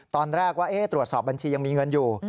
ตอนแรกว่าตรวจสอบบัญชียังมีเงินอยู่